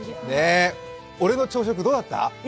俺の朝食どうだった？